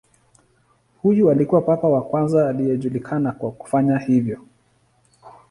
Huyu alikuwa papa wa kwanza anayejulikana kwa kufanya hivyo.